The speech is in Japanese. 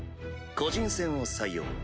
個人戦を採用。